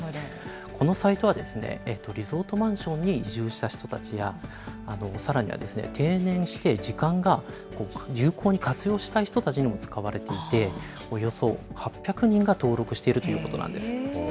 このサイトは、リゾートマンションに移住した人たちや、さらにはですね、定年して時間が有効に活用したい人たちにも使われていて、およそ８００人が登録しているということなんです。